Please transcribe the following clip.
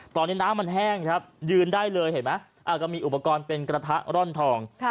ตอนนี้น้ำมันแห้งครับยืนได้เลยเห็นไหมก็มีอุปกรณ์เป็นกระทะร่อนทอง